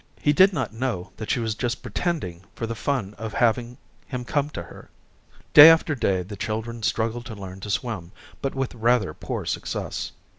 He did not know that she was just pretending for the fun of having him come to her. Day after day, the children struggled to learn to swim, but with rather poor success.